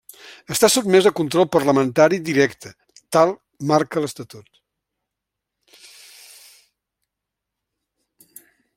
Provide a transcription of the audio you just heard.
Està sotmès a control parlamentari directe, tal marca l'estatut.